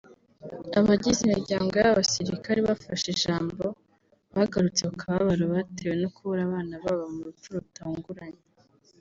Abagize imiryango y’aba basirikare bafashe ijambo bagarutse ku kababaro batewe no kubura abana babo mu rupfu rutunguranye